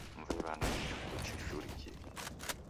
Mve w'ana kichuku chichurikie